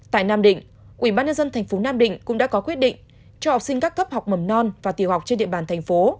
tại nam định quỹ ban nhân dân tp nam định cũng đã có quyết định cho học sinh các cấp học mầm non và tiểu học trên địa bàn thành phố